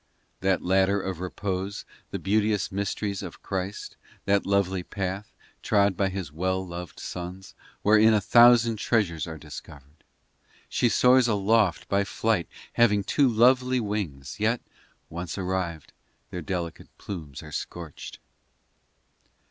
VII That ladder of repose, The beauteous Mysteries of Christ, That lovely path, Trod by His well loved sons, Wherein a thousand treasures are discovered ! POEMS 303 VIII She soars aloft By flight, Having two lovely wings, Yet, once arrived, Their delicate plumes are scorched.